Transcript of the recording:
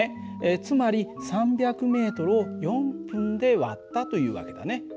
つまり３００ｍを４分で割ったという訳だね。